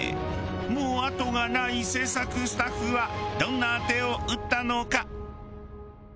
もうあとがない制作スタッフはどんな手を打ったのか？